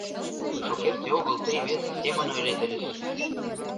Шукерте огыл тый вес семын ойлет ыльыс.